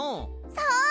そう！